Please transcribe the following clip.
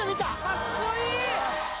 かっこいい。